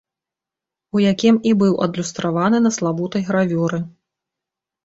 У якім і быў адлюстраваны на славутай гравюры.